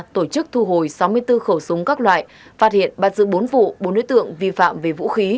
tổ chức thu hồi sáu mươi bốn khẩu súng các loại phát hiện bắt giữ bốn vụ bốn đối tượng vi phạm về vũ khí